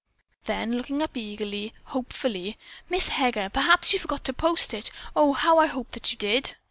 Then looking up eagerly, hopefully, "Miss Heger, perhaps you forgot to post it. Oh, how I hope that you did!"